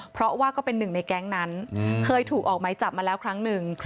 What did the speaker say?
เพราะว่าก็เป็นหนึ่งในแก๊งนั้นเคยถูกออกไม้จับมาแล้วครั้งหนึ่ง